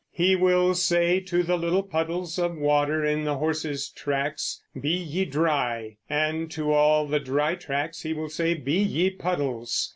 He will say to the little puddles of water in the horses' tracks, "Be ye dry"; and to all the dry tracks he will say, "Be ye puddles."